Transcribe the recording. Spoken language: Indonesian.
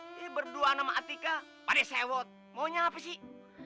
ini berdua nama atika pada sewot maunya apa sih